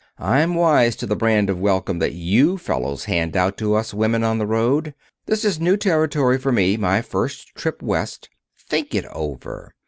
I'm wise to the brand of welcome that you fellows hand out to us women on the road. This is new territory for me my first trip West. Think it over.